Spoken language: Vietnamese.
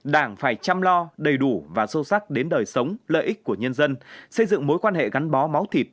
đảng phải chăm lo đầy đủ và sâu sắc đến đời sống lợi ích của nhân dân xây dựng mối quan hệ gắn bó máu thịt